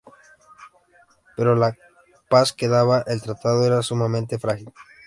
Pero la paz que daba el Tratado era sumamente frágil.